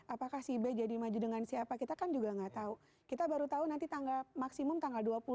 apakah si b jadi maju dengan siapa kita kan juga nggak tahu kita baru tahu nanti tanggal maksimum tanggal dua puluh